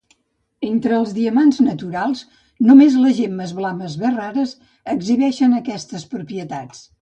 Entre els diamants naturals, només les gemmes blaves més rares exhibeixen aquestes propietats.